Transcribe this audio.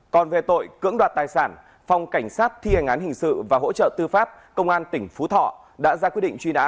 còn về tội cưỡng đoạt tài sản phòng cảnh sát thi hành án hình sự và hỗ trợ tư pháp công an tỉnh phú thọ đã ra quyết định truy nã